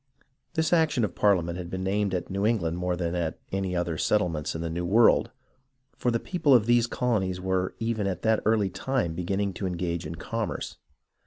This action of ParHament had been aimed at New Eng land more than at any other settlements in the New World, for the people of these colonies were even at that early time beginning to engage in commerce.